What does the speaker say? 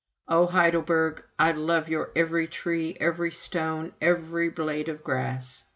O Heidelberg I love your every tree, every stone, every blade of grass!